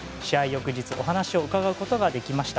翌日お話を伺うことができました。